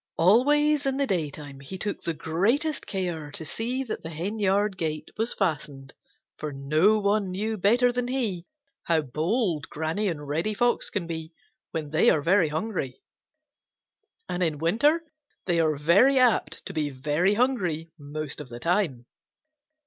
Always in the daytime he took the greatest care to see that the henyard gate was fastened, for no one knew better than he how bold Granny and Reddy Fox can be when they are very hungry, and in winter they are very apt to be very hungry most of the time.